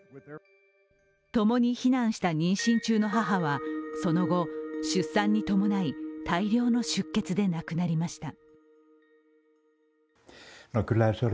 共に避難した妊娠中の母は出産に伴い、大量の出血で亡くなりました。